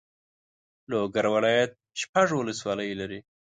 لوګر ولایت شپږ والسوالۍ لري.